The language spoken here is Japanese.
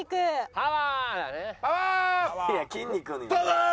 パワー！